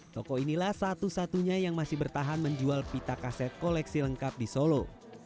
toko inilah satu satunya yang masih bertahan menjual pita kaset koleksi lengkap di solo